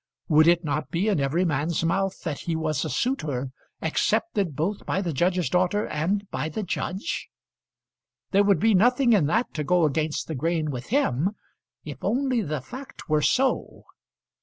Would it not be in every man's mouth that he was a suitor accepted both by the judge's daughter and by the judge? There would be nothing in that to go against the grain with him, if only the fact were so.